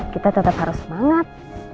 kita tetap harus semangat